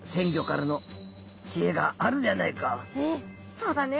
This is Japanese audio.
「そうだね。